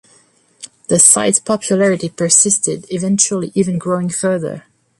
The site's popularity persisted, eventually even growing further.